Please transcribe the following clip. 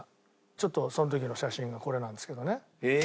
ちょっとその時の写真がこれなんですけどね。